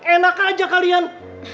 enak aja kalian